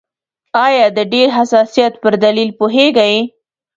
آیا د ډېر حساسیت پر دلیل پوهیږئ؟